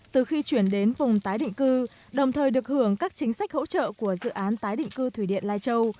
từ khi chuyển đến vùng tái định cư đồng thời được hưởng các chính sách hỗ trợ của dự án tái định cư thủy điện lai châu